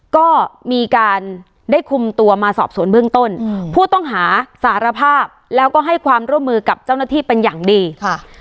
ก็มีการได้คุมตัวมาสอบสวนเบื้องต้นอืมผู้ต้องหาสารภาพแล้วก็ให้ความร่วมมือกับเจ้าหน้าที่เป็นอย่างดีค่ะ